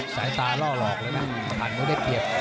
ใส่ตาน่อหลอกเลยนะสัมผัสแล้วไม่ได้เพียบ